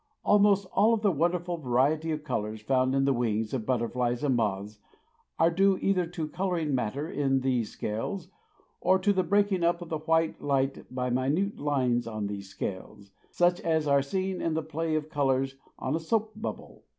Almost all of the wonderful variety of colors found in the wings of butterflies and moths are due either to coloring matter in these scales, or to the breaking up of the white light by minute lines on these scales, such as are seen in the play of colors on a soap bubble.